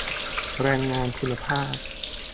แรงงานคุณภาพ